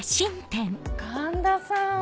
環田さん。